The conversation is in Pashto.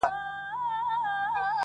ږغ مي بدل سويدی اوس.